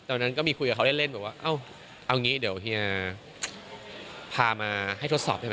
ตอนนั้นก็มีคุยกับเขาเล่นแบบว่าเอ้าเอางี้เดี๋ยวพามาให้ทดสอบได้ไหม